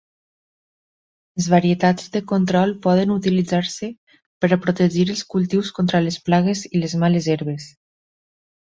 Les varietats de control poden utilitzar-se per a protegir els cultius contra les plagues i les males herbes.